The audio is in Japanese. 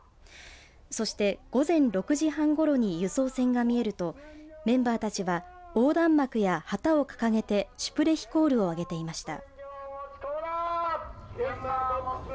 そして午前６時半ごろに輸送船が見えるとメンバーたちは横断幕や旗を掲げてシュプレヒコールを上げていました。